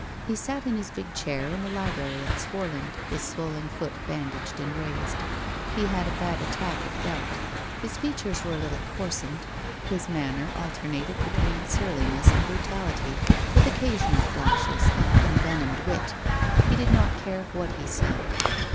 He sat in his big chair in the library at Swarland, his swollen foot bandaged and raised. He had a bad attack of gout. His features were a little coarsened; his man ner alternated between surliness and brutality, with occa sional flashes of envenomed wit. He did not care what he said.